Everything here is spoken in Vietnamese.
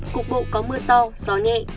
cục bộ có mưa to gió nhẹ